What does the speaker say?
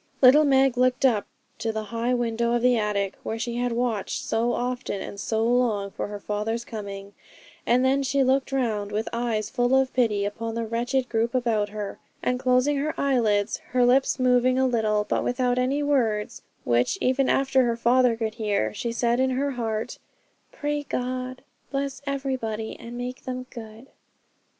Little Meg looked up to the high window of the attic, where she had watched so often and so long for her father's coming; and then she looked round, with eyes full of pity, upon the wretched group about her; and closing her eyelids, her lips moving a little, but without any words which even her father could hear, she said in her heart, 'Pray God, bless everybody, and make them good.'